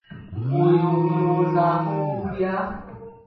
Oyo olowooza akoowa okulya?